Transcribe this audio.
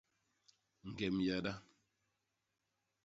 Ñgem yada.